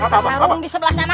barung di sebelah sana